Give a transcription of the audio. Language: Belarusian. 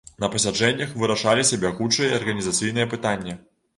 На пасяджэннях вырашаліся бягучыя і арганізацыйныя пытанні.